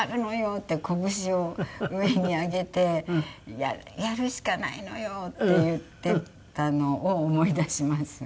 って拳を上に上げて「やるしかないのよ！」って言っていたのを思い出しますね。